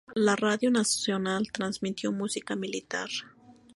La radio nacional transmitió música militar.